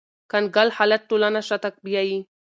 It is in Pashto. کنګل حالت ټولنه شاته بیایي